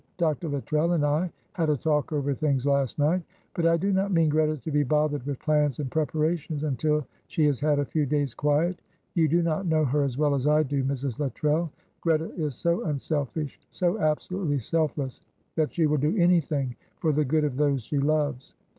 "Dr. Luttrell and I had a talk over things last night, but I do not mean Greta to be bothered with plans and preparations until she has had a few days' quiet You do not know her as well as I do, Mrs. Luttrell. Greta is so unselfish, so absolutely self less, that she will do anything for the good of those she loves.